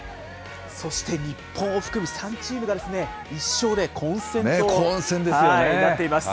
そして日本を含む３チームが１勝で混戦となっています。